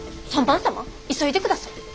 ３番様急いでください。